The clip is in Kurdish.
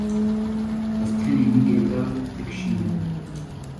Ez tenê nigê te dikişînim.